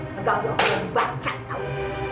gampang banget baca tau